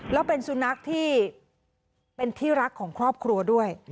แล้วเป็นสุนัขที่เป็นที่รักของครอบครัวด้วย